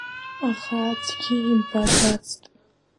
Аха аӡәгьы имбаӡацт.